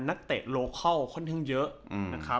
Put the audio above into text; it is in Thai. นักเตะโลคัลค่อนข้างเยอะ